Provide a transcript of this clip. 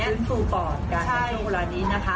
ฟื้นฟูปอดการไข่ช่วงเวลานี้นะคะ